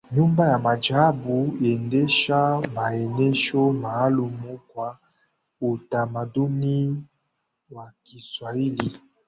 Nyumba ya Maajabu huendesha maonesho maalumu kwa Utamaduni wa Kiswahili